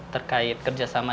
dari kerja sama